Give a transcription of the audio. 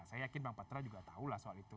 saya yakin bang patra juga tahu lah soal itu